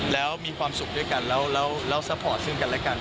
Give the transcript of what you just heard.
แล้วมีความสุขด้วยกันแล้วซัพพอร์ตซึ่งกันและกัน